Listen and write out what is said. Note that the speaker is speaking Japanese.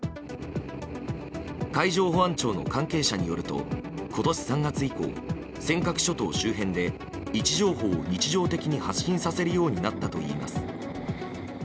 海上保安庁の関係者によると今年３月以降尖閣諸島周辺で位置情報を日常的に発信させるようになったといいます。